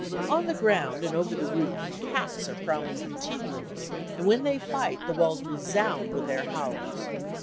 On the ground and over the roof cats are prowling continually, and when they fight, the walls resound with. their howls.